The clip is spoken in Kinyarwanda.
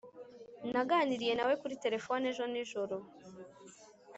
naganiriye nawe kuri terefone ejo nijoro.